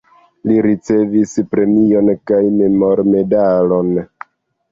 Li ricevis premion kaj memormedalon.